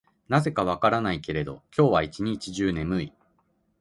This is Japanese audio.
なぜか分からないけど、今日は一日中眠い。